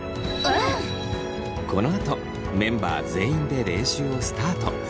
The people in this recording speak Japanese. このあとメンバー全員で練習をスタート。